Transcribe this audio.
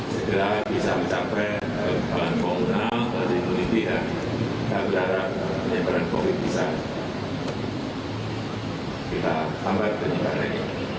setelah bisa mencapai pelan komunal ke tiga pun itu ya kita berharap penyebaran covid bisa kita sampai penyebaran ini